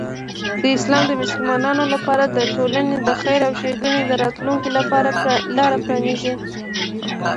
اسلام د مسلمانانو لپاره د ټولنې د خیر او ښېګڼې د راتلوونکی لاره پرانیزي.